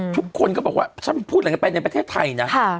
ทุกคนก็บอกว่าฉันพูดอะไรกันไปในประเทศไทยนะ